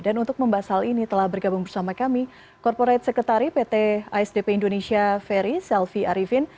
dan untuk membahas hal ini telah bergabung bersama kami korporat sekretari pt asdp indonesia ferry selvi arifin